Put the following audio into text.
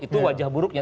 itu wajah buruknya